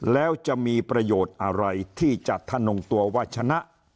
แล้วจะมีประโยชน์อะไรที่จะถนงตัวว่าชนะ